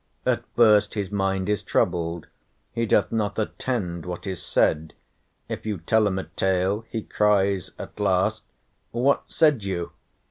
At first his mind is troubled, he doth not attend what is said, if you tell him a tale, he cries at last, What said you?